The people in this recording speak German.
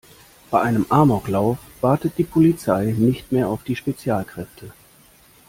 Bei einem Amoklauf wartet die Polizei nicht mehr auf die Spezialkräfte.